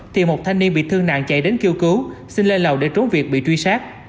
thì một thanh niên bị thương nặng chạy đến kêu cứu xin lê lầu để trốn việc bị truy sát